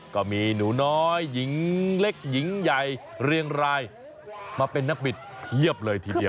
ก็มีหนูน้อยหญิงเล็กหญิงใหญ่เรียงรายมาเป็นนักบิดเพียบเลยทีเดียว